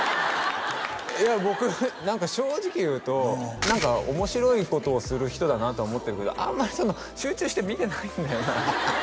いや僕何か正直言うと面白いことをする人だなとは思ってるけどあんまりその集中して見てないんだよな